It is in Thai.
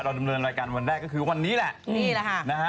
เราดำเนินรายการวันแรกก็คือวันนี้แหละ